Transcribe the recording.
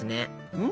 うん？